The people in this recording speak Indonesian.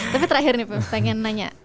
tapi terakhir nih pak pengen nanya